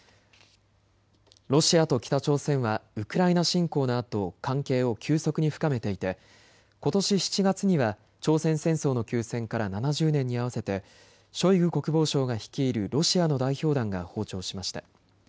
ロシアと北朝鮮はウクライナ侵攻のあと関係を急速に深めていてことし７月には朝鮮戦争の休戦から７０年に合わせてショイグ国防相が率いるロシアの代表団が訪朝しました。